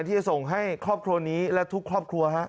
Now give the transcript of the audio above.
ที่จะส่งให้ครอบครัวนี้และทุกครอบครัว